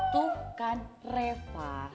tuh kan reva